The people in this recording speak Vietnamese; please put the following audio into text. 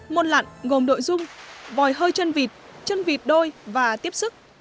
môn lặn gồm nội dung vòi hơi chân vịt chân vịt đôi và tiếp sức